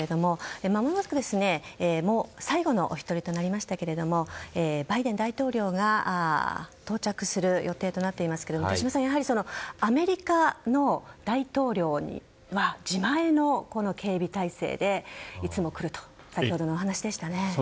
まもなく最後のお一人となりましたがバイデン大統領が到着する予定となっていますが手嶋さん、やはりアメリカの大統領は自前の警備態勢でいつも来ると先ほどのお話でしたね。